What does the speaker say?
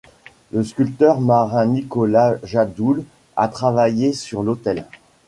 Le sculpteur Marin-Nicolas Jadoulle a travaillé sur l'hôtel.